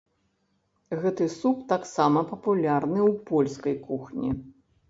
Гэты суп таксама папулярны ў польскай кухні.